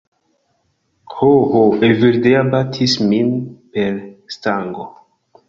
"Ho, ho... Evildea batis min per stango!"